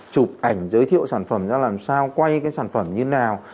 chụp ảnh giới thiệu sản phẩm ra làm sao quay cái sản phẩm như nào